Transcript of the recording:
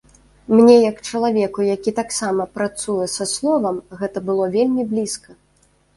Мне як чалавеку, які таксама працуе са словам, гэта было вельмі блізка.